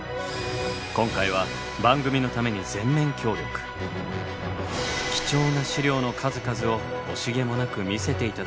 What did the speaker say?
今回は番組のために貴重な資料の数々を惜しげもなく見せて頂けることに！